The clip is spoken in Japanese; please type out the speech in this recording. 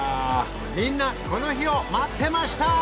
みんなこの日を待ってました！